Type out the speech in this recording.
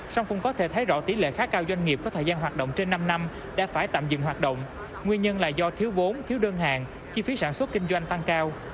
song cũng có thể thấy rõ tỷ lệ khá cao doanh nghiệp có thời gian hoạt động trên năm năm đã phải tạm dừng hoạt động nguyên nhân là do thiếu vốn thiếu đơn hàng chi phí sản xuất kinh doanh tăng cao